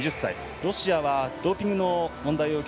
ロシアはドーピングの問題を受け